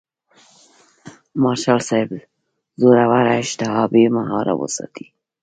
مارشال صاحب زوروره اشتها بې مهاره وساتي.